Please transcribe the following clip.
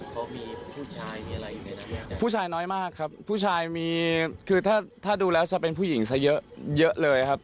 เขามีผู้ชายมีอะไรอยู่ในนั้นผู้ชายน้อยมากครับผู้ชายมีคือถ้าถ้าดูแล้วจะเป็นผู้หญิงซะเยอะเยอะเลยครับ